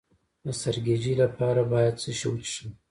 د سرګیچي لپاره باید څه شی وڅښم؟